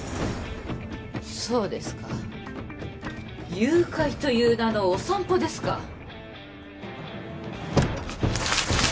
そうですか誘拐という名のお散歩ですか